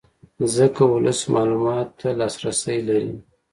ځکه ولس معلوماتو ته لاسرې لري